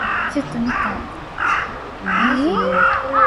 好可能係難民簽證